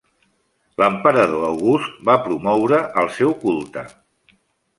L'emperador August va promoure el seu culte.